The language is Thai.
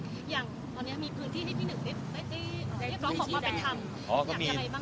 อย่างตอนนี้มีพื้นที่ที่พี่หนึ่งได้บอกว่าไปทำ